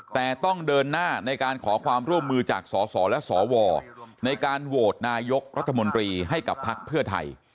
แต่ต้องเดินหน้าในการขอความร่วมมือจากสสและสวในการโหวตนายกรัฐมนตรีให้กับพักเพื่อไทย